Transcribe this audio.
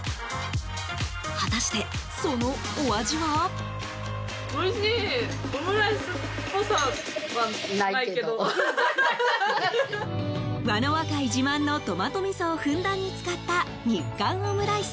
果たして、そのお味は？わのわ会自慢のトマトみそをふんだんに使った日韓オムライス。